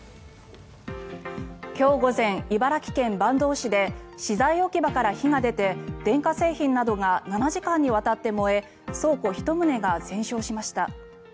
今日午前、茨城県坂東市で資材置き場から火が出て電化製品などが７時間にわたって燃え倉庫１棟が全焼しました。